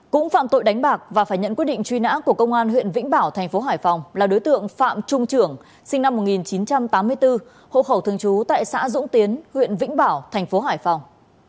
cũng phạm tội đánh bạc và phải nhận quyết định truy nã của công an huyện vĩnh bảo thành phố hải phòng là đối tượng phạm trung trưởng sinh năm một nghìn chín trăm tám mươi bốn hộ khẩu thường trú tại xã dũng tiến huyện vĩnh bảo thành phố hải phòng